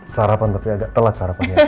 sarapan tapi agak telat sarapan